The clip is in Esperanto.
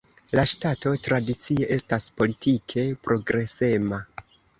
La ŝtato tradicie estas politike progresema.